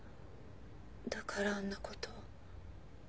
だからあんな事を。